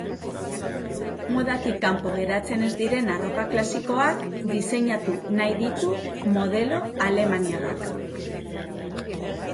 Modatik kanpo geratzen ez diren arropa klasikoak diseinatuko nahi ditu modelo alemaniarrak.